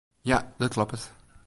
Ja, dat kloppet.